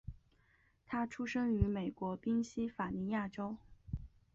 他出生于美国宾夕法尼亚州。